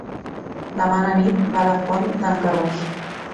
Demà na Nit va a la Font d'en Carròs.